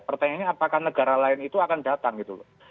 pertanyaannya apakah negara lain itu akan datang gitu loh